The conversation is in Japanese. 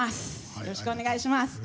よろしくお願いします！